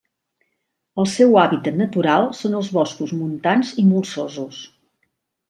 El seu hàbitat natural són els boscos montans i molsosos.